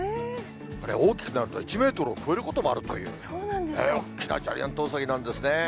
これ、大きくなると１メートルを超えることもあるという、大きなジャイアントウサギなんですね。